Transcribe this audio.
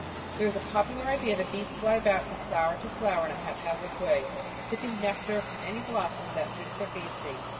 There is a popular idea that bees fly about from flower to flower in a haphazard way, sipping nectar from any blossom that takes their fancy.